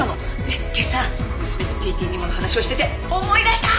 で今朝娘とＴＴ−Ｎｉｍｏの話をしてて思い出した！